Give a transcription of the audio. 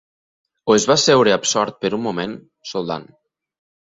O es va asseure absort per un moment, soldant.